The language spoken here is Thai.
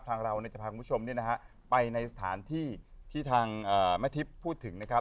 ทางเราจะพาคุณผู้ชมไปในสถานที่ที่ทางแม่ทิพย์พูดถึงนะครับ